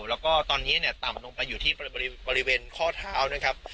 แล้วก็ตอนนี้เนี่ยต่ำลงไปอยู่ที่บริเวณข้อเท้านะครับ